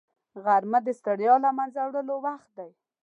غرمه د ستړیا له منځه وړلو وخت دی